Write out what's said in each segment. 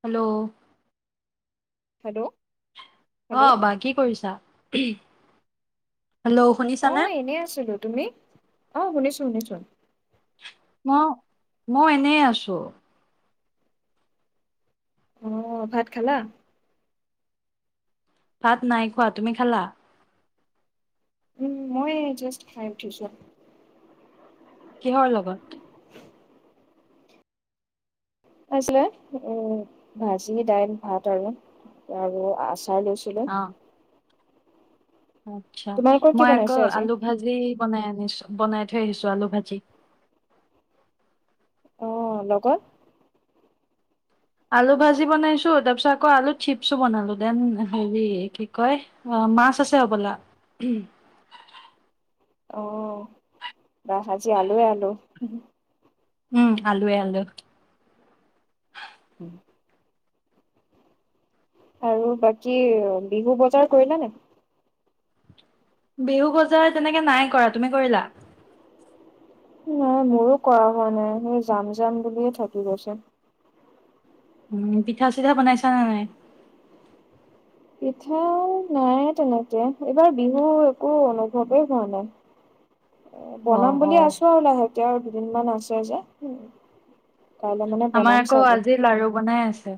Hello hello অ hello বা কি কৰিছা হেল্ল' অ শুনিছানে এনে আছিলো তুমি অ শুনিছো শুনিছো মই মই এনে আছো আহ ভাত খালা ভাত নাই খোৱা তুমি খালা উ মই জাষ্ট খাই উঠিছো কিহৰ লগত আাইছিলে উ ভাজি দাইল ভাত আৰু আৰু আচ চাই লৈছিলে আত্ছা কি মই আকৌ বনাইছে আজি আলু ভাজি বনাই আনিছো বনাই থৈ আহিছো আলু ভাজি আহ লগত আলু ভাজি বনাইছো তাৰ পিছত আকৌ আলু চিপছো বনালো দেন হেৰি কি কয় মাছ আছে হ'বলা অহ বাঁহ আজি আলু এ আলু উম আলুৱে আলু উ আৰু বাকী বিহু বজাৰ কৰিলা নে বিহু বজাৰ তেনেকে নাই কৰা তুমি কৰিলা নাই মোৰো কৰা হোৱা নাই সেই যাম যাম বুলিয়ে থাকি গৈছে উম পিঠা চিঠা বনাইছা নে নাই পিঠা নাই তেনেকে এইবাৰ বিহুৰ একো অনুভৱে হোৱা নাই এ অ বনাম অ বুলি আছোঁ আৰু লাহেকে আ দুদিনমান আছে যে কাইলৈ মানে আমাৰ বনাম আকৌ চাগে আজি লাৰু বনাই আছে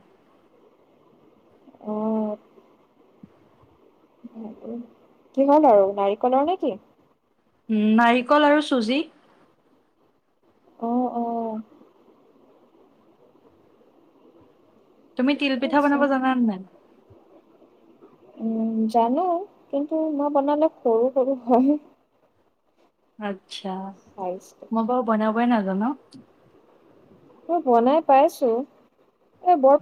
অ কিহৰ লাৰু নাৰিকলৰ নেকি উম নাৰিকল আৰু চুজি আহ আহ তুমি তিল ঠিকে পিঠা আছে বনাব জানানে নাই উম জানো কিন্তু মই বনালে সৰু সৰু হয় আ আচ্ছা চাইজটো হ'ব বনাৱক বৈ নাজানো মই বনাই পাইছোঁ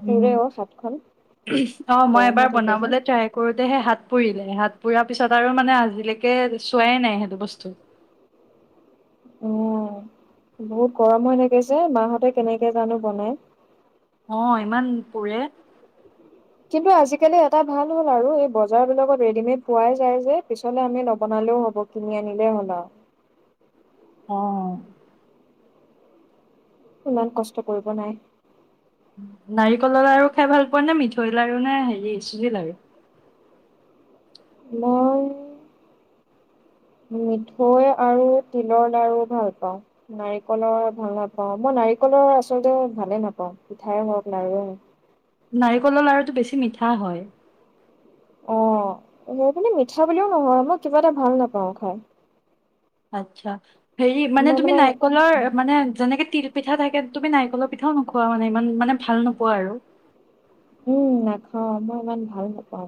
উম উমহ অ মই গৰম হৈ এবাৰ থাকে যে বনাবলে ট্ৰাই কৰো তেহে হাত পুৰিলে হাত পুৰা পিছত আৰু মানে আজিলেকে চোৱাই নাই সেইটো বস্তু অ বহুত গৰম হৈ থাকে যে মাহঁতে কেনেকে জানো বনাই অ ইমান পুৰে কিন্তু আজিকালি এটা ভাল হ'ল আৰু এই বজাৰ বিলাকত ৰেডিমেড পোৱাই যায় যে পিছলে আমি নবনালেও হ'ব কিনি আনিলে হ'ল আৰু আহ ইমান কষ্ট কৰিব নাই নাৰিকলৰ লাৰু খাই ভাল পোৱা নে মিঠৈ লাৰু নে হেৰি চুজি লাৰু মই মিঠৈ আৰু তিলৰ লাৰু ভাল পাওঁ নাৰিকলৰ ভাল নাপাওঁ মই নাৰিকলৰ আচলতে ভালে নাপাওঁ পিঠাই হওঁক লাৰুৱে হ নাৰিকলৰ লাৰুটো বেছি মিঠা হয় অ সেইবুলি মিঠা বুলিও নহয় মই কিবা এটা ভাল নেপাওঁ খাই আতচ্ছা হেৰি মানে তুমি নাৰিকলৰ মানে যেনেকে তিল পিঠা থাকে তুমি নাৰিকলৰ পিঠাও নোখোৱা মানে ইমান মানে ভাল নোপোৱা আৰু উম, নেখাওঁ মই ইমান ভাল নেপাওঁ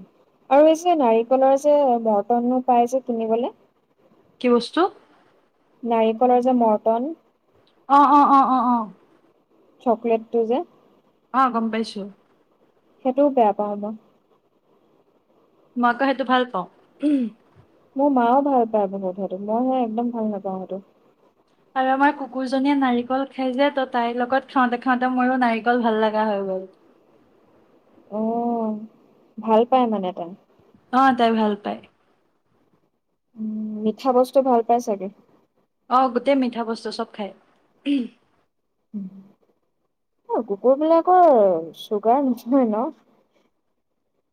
আৰু এই যে নাৰিকলৰ যে মৰ্টনো পাই যে কিনিবলে‌ কি বস্তু? নাৰিকলৰ যে মৰ্টন। অঁ, অঁ, অঁ, অঁ, অঁ। চকলেটটো যে। অ' গম পাইছোঁ। সেইটোও বেয়া পাওঁ মই। মই আক সেইটো ভাল পাওঁ। উমহ মোৰ মাও ভাল পায় বহুত সেইটো, মই হে একদম ভাল নেপাওঁ সেইটো। আৰু আমাৰ কুকুৰজনীয়ে নাৰিকল খাই যে, ত' তাইৰ লগত খাওঁতে খাওঁতে মোৰো নাৰিকল ভাল লাগা হৈ গ'ল। অ' ভাল পাই মানে তাই। অ' তাই ভাল পায়। উম, মিঠা বস্তু ভাল পাই চাগে। অ' গোটেই মিঠা বস্তু চব খায়। উমহ অ কুকুৰ বিলাকৰ চুগাৰ নহয় ন?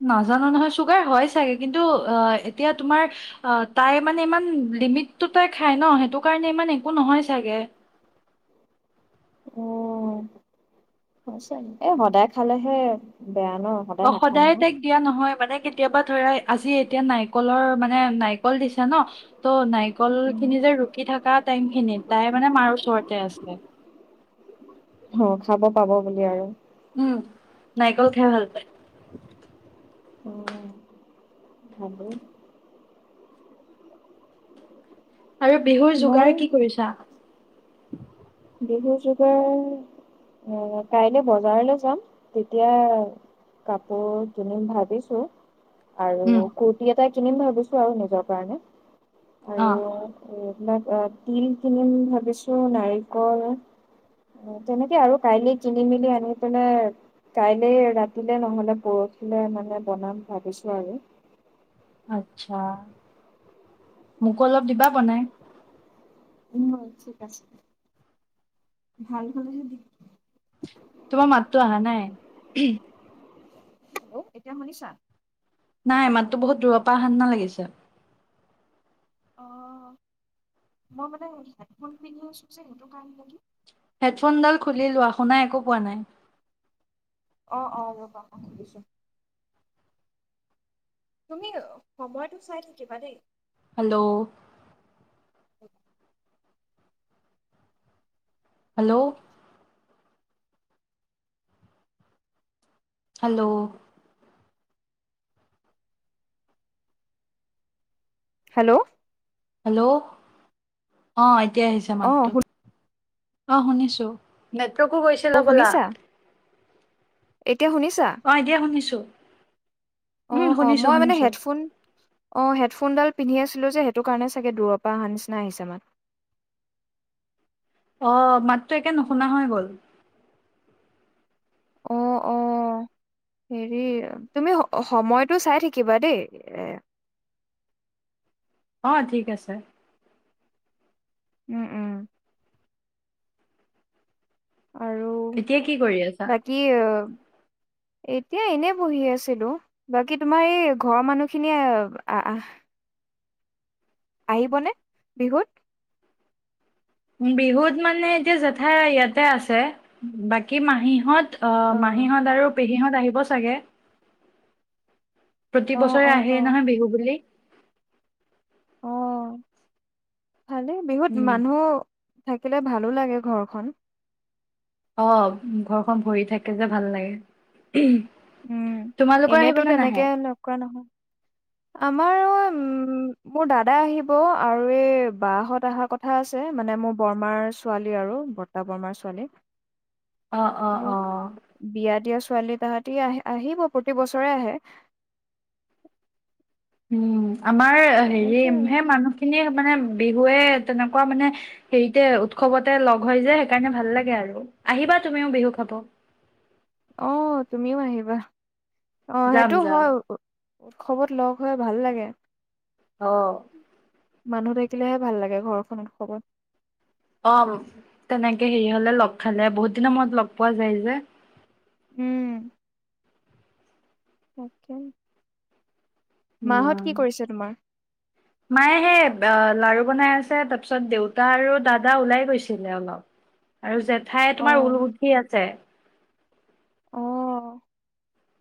নাজানো নহয়। চুগাৰ হয় ছাগে কিন্তু অ এতিয়া তোমাৰ অ তাই মানে ইমান লিমিট টো তাই খ ন সেইটো কাৰণে ইমান একো নহয় ছাগে। ও, [unintelligible] সদায় খালেহে বেয়া ন অ' নাখায় সদায় নহয়। তাইক দিয়া নহয় মানে কেতিয়াবা ধৰা আজি এতিয়া নাৰিকলৰ মানে নাৰিকল দিছে ন', তো, নাই কল খিনি যে ৰুকি থাকা টাইম খিনিত তাই মানে মাৰ ওচৰতে আছে। অ' খাব পাব বুলি আৰু। উম, নাৰিকল খাই ভাল পায়। [unintelligible] আৰু বিহুৰ মই যোগাৰ কি কৰিছা? [inaudible] বিহু যোগাৰ [unintelligible] কাইলৈ বজাৰলৈ যাম, তেতিয়া কাপোৰ কিনিম ভাবিছো। আৰু উম, কুুৰ্তি এটা কিনিম ভাবিছো আৰু নিজৰ কাৰণে। আৰু অ', [unintelligible] [unintelligible] তিল কিনিম ভাবিছো নাৰি কল, তেনেকে আৰু কাইলে কিনি মেলি আনি পেলাই, কাইলে ৰাতিলে নহলে পৰহিলে মানে বনাম ভাবিছো আৰু। আচ্ছা, মোকো অলপ দিবা বনাই। দিম বাৰু থিক আছে। ভাল হ'লেহে দিম। তোমাৰ মাততো আহা নাই। [unintelligible] এতিয়া শুনিছা? নাই, মাতটো বহুত দূৰৰ পা আহা [unintelligible] লাগিছে। অহ, মই মানে হেডফোন পিন্ধি আছো যে সেইটো কাৰনে নেকি। হেডফোনডাল খুলি লোৱা, শুনা একো পোৱা নাই। অ', অ', ৰবা মই খুলিছোঁ। তুমি সময়তটো চাই থাকিবা দেই। Hello. [inaudible] Hello. Hello, hello, hello, ' অ', এতিয়া আহিছে অ', মাতটো, অ', শুনিছো, - তোকো কৈছিল শু- হ'বলা। শুনিছা? এতিয়া শুনিছা? অ ', এতিয়া শুনিছো উম', অ', শুনিছো- মই মানে শুনিছো। হেডফোন অ ', হেডফোনডাল পিন্ধি আছিলোঁ যে, সেইটো কাৰণে চাগে দূৰৰ পৰাহ আহা নিচিনা আহিছে মাত। অ', মাতটো একে নুশুনা হৈ গ'ল। অ ', -অ ', হেৰি তুমি সময়টো চাই থাকিবা দেই এ', - অ', ঠিক আছে। উম -উম আৰু এতিয়া কি কৰি আছা? বাকী, এতিয়া এনে বহি আছিলো। বাকী তোমাৰ এই ঘৰৰ মানুহখিনিয়ে আহ - আহ, আহিবনে, বিহুত? বিহুত মানে এতিয়া জেঠাই ইয়াতে আছে বাকী মাহীহত, অ', মাহীহঁত আৰু পেহী- হত আহিব চাগে। প্ৰতি অ বছৰে অ আহেই নহয়, বিহু বুলি। ভালে বিহুত উম মানুহ, - থাকিলে ভালো লাগে, ঘৰখন। অ', ঘৰখন ভৰি থাকে যে ভাল লাগে। উম, ' তোমালোকৰ আহিব এনেইতো নে নাহে? তেনেকে লগ কৰা নহয়। আমাৰ অ ', মোৰ দাদা আহিব আৰু এই বাঁ- হত আহা কথা আছে। মানে মোৰ বৰমাৰ ছোৱালী আৰু বৰ্তা-বৰমাৰ ছোৱালী। অ অ অ বিয়া দিয়া ছোৱালী তাহাঁত, প্ৰতি আহ, আহিব প্ৰতি বছৰে আহে। উম', আমাৰ হেৰি তেনেকে আৰু সেই মানুহখিনিয়ে, মানে বিহুৱে তেনেকুৱা মানে হেৰিতে উৎসৱতে লগ হৈ যে। সেইকাৰণে ভাল লাগে আৰু আহিবা তুমিও বিহু খাব। অ', তুমিও আহিবা। অ', যাম সেইটো যাম হয়, - উৎসৱত লগ হৈ ভাল লাগে। অহ', মানুহ থাকিলেহে ভাল লাগে ঘৰখনত কবত, - অ', তেনেকে হেৰি হ'লে লগ খালে বহুত দিনৰ মূৰত লগ পোৱা যায় যে, উম', তাকে, ' অ, মায়ে হে লাৰু বনাই আছে তাৰপিছত দেউতা আৰু দাদা ওলাই গৈছিলে অলপ আৰু যে জেঠাই অ তোমাৰ ঊল গুঠি আছে অ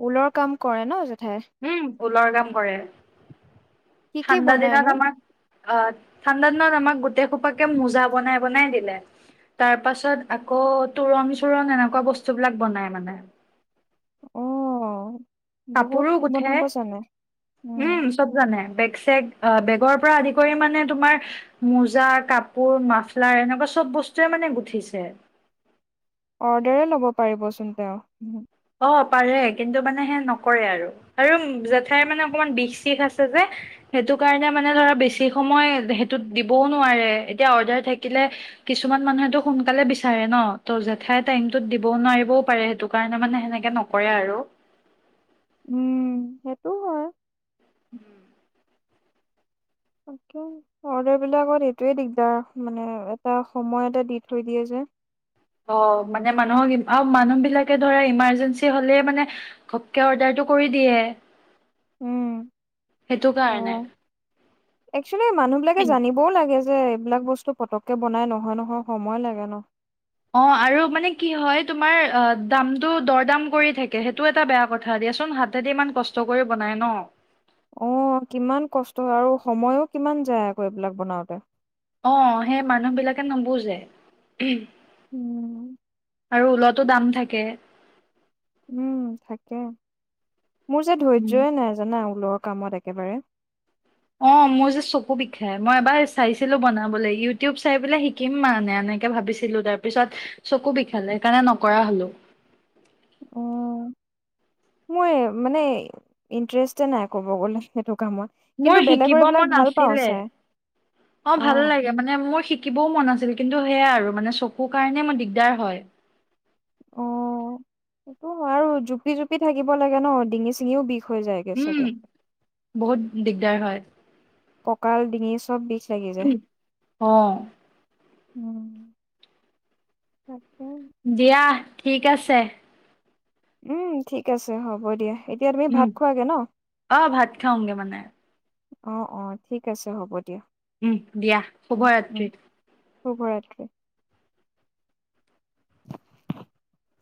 ঊলৰ কাম কৰে ন জেঠাই উম ঊলৰ কাম কৰে কি কি ঠাণ্ডা বনাইনো দিনত আমাৰ আহ ঠাণ্ডা দিনত আমাক গোটেই খোপাকে মোজা বনাই বনাই দিলে। তাৰ পাছত আকৌ তোৰং চোৰণ এনেকুৱা বস্তুবিলাক বনাই মানে অ বহুত কাপোৰো গুঠে? বনাব জানে উম চব জানে বেগ চেগ অ বেগৰ পৰা আদি কৰি মানে তোমাৰ মোজা, কাপোৰ, মাফলাৰ, এনেকুৱা চব বস্তুৱয়ে মানে গুঠিছে অৰ্ডাৰে ল'ব পাৰিবচোন তেওঁ। অ পাৰে কিন্তু মানে সে নকৰে আৰু। কাৰণ জেঠাই মানে অকমান বিষ চিষ আছে যে, সেইটো কাৰণে মানে ধৰা বেছি সময় সেইটোত দিবও নোৱাৰে। এতিয়া অৰ্ডাৰ থাকিলে কিছুমান মানুহেতো সোনকালে বিচাৰে ন, ত জেঠাই টাইমতোত দিবও নোৱাৰিবও পাৰে সেইটো কাৰণে মানে সেনেকে নকৰে আৰু। উম, সেইটো হয়। উম। অৰ্ডাৰ বিলাকত এইটোৱে দিগদাৰ মানে এটা সময় এটা দি থৈ দিয়ে যে। অ মানে মানুহক, আৰু মানুহবিলাকে ধৰা ইমাৰ্জেঞ্চি হ'লেই মানে ঘপকে অৰ্ডাৰটো কৰি দিয়ে। উম, সেইটো অহ, কাৰণে একচলি মানুহ বিলাকে জানিবও লাগে যে যে এইবিলাক বস্তু পতককে বনাই নহয়-নহয়, সময় লাগে ন? অ আৰু মানে কি হয় তোমাৰ দামটো দৰ দাম কৰি থাকে সেইটো এটা বেয়া কথা দিয়াচোন হাতে দি ইমান কষ্ট কৰি বনাই ন? অ কিমান কষ্ট আৰু সময়ো কিমান যায় আকৌ এইবিলাক বনাওতে। অ সেই মানুহ বিলাকে নুবুজে। উম। আৰু ঊলতো দাম থাকে। উম থাকে। মোৰ যে উম। ধৈৰ্য্যয়ে নাই জানা? ঊলৰ কামত একেবাৰে। অ মোৰ যে চকু বিষায় মই এবাৰ চাইছিলো বনাবলৈ, ইউটিউব চাই পেলাই শিকিম মানে এনেকে ভাবিছিলো তাৰপিছত চকু বিষালে সেইকাৰণে নকৰা হ'লো। উম। এ মানে ইন্টাৰেষ্টে নাই ক'ব গ'লে, সেইটো কামত। মোৰ কিন্তু বেলেগৰ শিকিব এইবিলাক মন ভাল পাওঁ আছিলে। চাই অহ ভাল অ'। লাগে, মানে মোৰ শিকিবও মন আছিল কিন্তু সেয়া আৰু মানে চকুৰ কাৰণে মোৰ দিগদাৰ হয়। অহ। সেইটো আৰু জুপি-জুপি থাকিব লাগে ন? ডিঙি চিঙিও বিষ হৈ যায়গে চাগে উম, বহুত দিগদাৰ হয়। কঁকাল ডিঙি চব বিষ লাগি যায় অহ। উম। দিয়া ঠিক আছে। উম, ঠিক আছে হ'ব দিয়া। এতিয়া তুমি উম, ভাত খোৱাগে ন অহ ভাত খাওঁগে মানে। অহ-অহ ঠিক আছে হ'ব। দিয়া উম, দিয়া, উম উম শুভৰাত্ৰি। [unintelligible] [unintelligible]